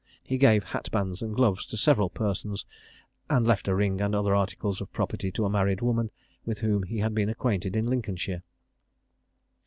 He gave hatbands and gloves to several persons, and left a ring and other articles of property to a married woman, with whom he had been acquainted in Lincolnshire.